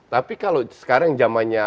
tapi kalau sekarang jamannya